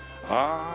ああ。